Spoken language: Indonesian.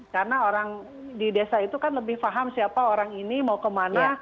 karena orang di desa itu kan lebih paham siapa orang ini mau kemana